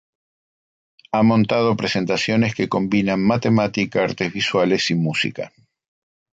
Ha montado presentaciones que combinan matemáticas, artes visuales y música.